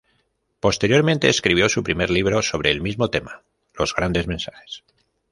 Posteriormente escribió su primer libro sobre el mismo tema: "Los grandes mensajes".